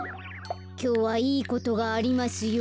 きょうはいいことがありますように。